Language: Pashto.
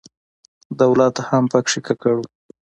دولت هم په کې ککړ و.